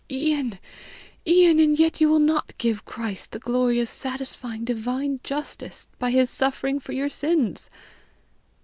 "Oh, Ian! Ian! and yet you will not give Christ the glory of satisfying divine justice by his suffering for your sins!"